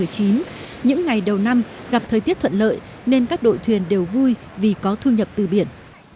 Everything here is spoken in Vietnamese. những ngày đầu năm gặp thời tiết thuận lợi nên các đội thuyền đều vui vì có thu nhập từ biển